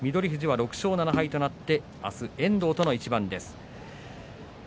翠富士は６勝７敗となって遠藤との一番です。